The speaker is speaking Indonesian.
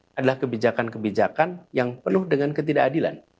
dan ini adalah kebijakan kebijakan yang penuh dengan ketidakadilan